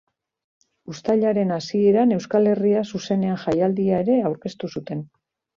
Uztailaren hasieran Euskal Herria Zuzenean jaialdian ere aurkeztu zuten.